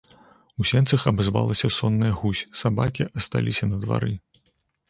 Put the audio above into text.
У сенцах абазвалася сонная гусь, сабакі асталіся на двары.